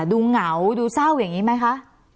ดูเหงาดูเศร้าอย่างนี้ไหมคะ